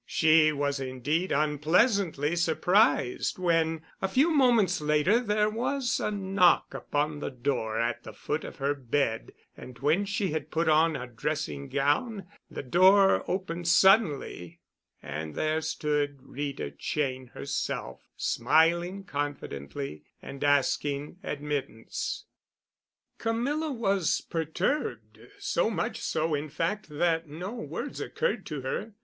She was indeed unpleasantly surprised when, a few moments later, there was a knock upon the door at the foot of her bed; and when she had put on a dressing gown the door opened suddenly, and there stood Rita Cheyne herself, smiling confidently and asking admittance. Camilla was perturbed—so much so, in fact, that no words occurred to her.